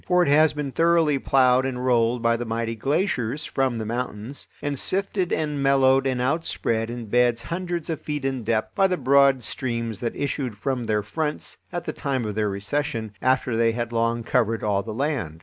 For it has been thoroughly ploughed and rolled by the mighty glaciers from the mountains, and sifted and mellowed and outspread in beds hundreds of feet in depth by the broad streams that issued from their fronts at the time of their recession, after they had long covered all the land.